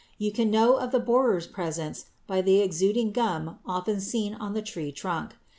You can know of the borer's presence by the exuding gum often seen on the tree trunk.